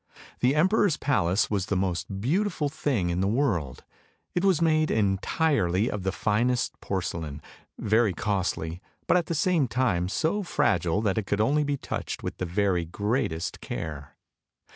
The emperor's palace was the most beautiful thing in the world; it was made entirely of the finest porcelain, very costly, but at the same time so fragile that it could only be touched with the very greatest care.